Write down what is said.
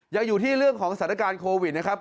ยังอยู่ที่เรื่องของสถานการณ์โควิดนะครับ